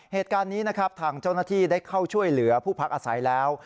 เหตุการณ์นี้นะครับทางเจ้าหน้าที่ได้เข้าช่วยเหลือผู้พักอาศัยแล้ว